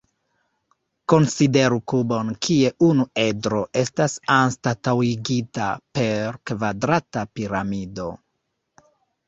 Konsideru kubon kie unu edro estas anstataŭigita per kvadrata piramido.